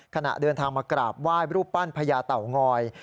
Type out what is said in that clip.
ขณะเดินทางมากราบไหว้รูปปั้นพญาเต่างอย